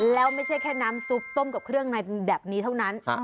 แล้วไม่ใช่แค่น้ำซุปต้มกับเครื่องในแบบนี้เท่านั้น